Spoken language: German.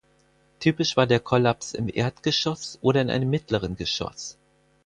Typisch war der Kollaps im Erdgeschoss oder in einem mittleren Geschoss.